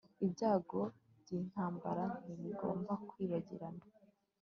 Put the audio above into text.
Ibyago byintambara ntibigomba kwibagirana